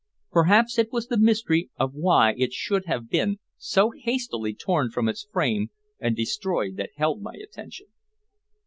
Perhaps it was the mystery of why it should have been so hastily torn from its frame and destroyed that held my attention.